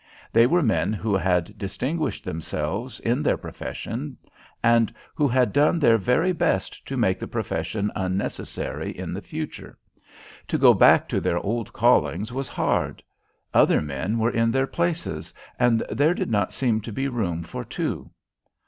They were men who had distinguished themselves in their profession, and who had done their very best to make that profession unnecessary in the future. To go back to their old callings was hard. Other men were in their places, and there did not seem to be room for two.